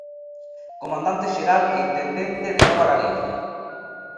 Comandante Xeral e Intendente de Nova Galicia.